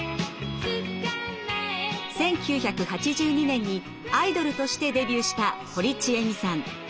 １９８２年にアイドルとしてデビューした堀ちえみさん。